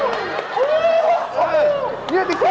เงียบติดเท่า